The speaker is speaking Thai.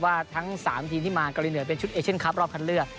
ว่าทั้งสามทีมที่มาก็เลยเหนือเป็นชุดเอชั่นคับรอบคันเลือร์